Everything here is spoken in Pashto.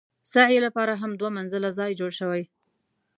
سعې لپاره هم دوه منزله ځای جوړ شوی.